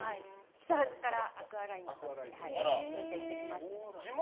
木更津からアクアラインで運転してきました。